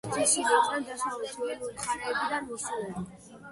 მათი აზრით, ისინი იყვნენ დასავლეთის ველური მხარეებიდან მოსულები.